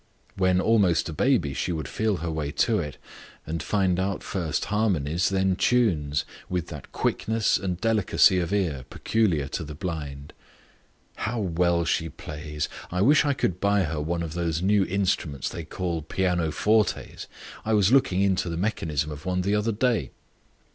When almost a baby she would feel her way to it, and find out first harmonies, then tunes, with that quickness and delicacy of ear peculiar to the blind. "How well she plays! I wish I could buy her one of those new instruments they call 'pianofortes;' I was looking into the mechanism of one the other day."